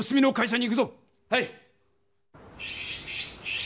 はい！